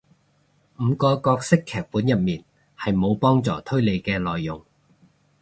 五個角色劇本入面係無幫助推理嘅內容